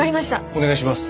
お願いします。